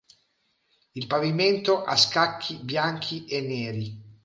Il pavimento a scacchi bianchi e neri.